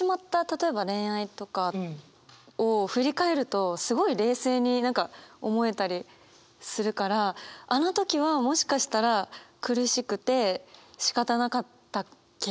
例えば恋愛とかを振り返るとすごい冷静に何か思えたりするからあの時はもしかしたら苦しくてしかたなかったっけ？